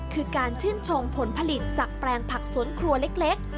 คือการชื่นชมผลผลิตจากแปลงผักสวนครัวเล็ก